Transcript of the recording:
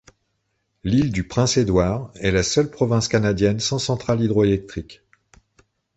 L'Île-du-Prince-Édouard est la seule province canadienne sans centrale hydroélectrique.